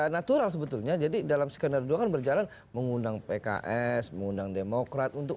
natural sebetulnya jadi dalam skenario kan berjalan mengundang pks mengundang demokrat untuk